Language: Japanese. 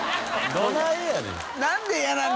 どないやねん。